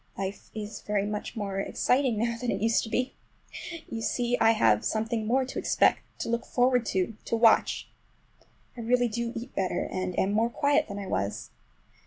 Life is very much more exciting now than it used to be. You see I have something more to expect, to look forward to, to watch. I really do eat better, and am more quiet than I was.